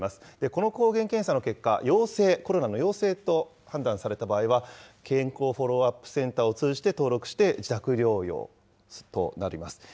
この抗原検査の結果、陽性、コロナの陽性と判断された場合は、健康フォローアップセンターを通じて登録して、自宅療養となります。